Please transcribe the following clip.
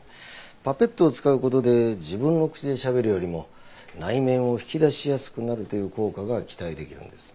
パペットを使う事で自分の口でしゃべるよりも内面を引き出しやすくなるという効果が期待できるんです。